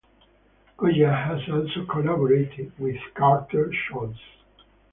Koja has also collaborated with Carter Scholz.